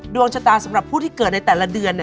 ดวงชะตาสำหรับผู้ที่เกิดในแต่ละเดือน